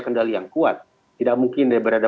kendali yang kuat tidak mungkin dia berada